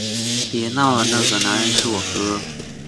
别闹了，那个男人是我哥